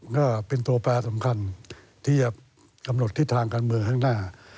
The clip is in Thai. ก็เป็นตัวแปรสำคัญที่จะกำหนดทิศทางการเมืองข้างหน้า